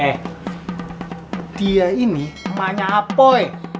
eh dia ini emaknya apoy